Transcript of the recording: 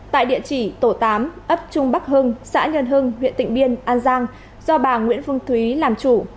tại địa chỉ tổ tám ấp trung bắc hưng xã nhân hưng huyện tịnh biên an giang do bà nguyễn phương thúy làm chủ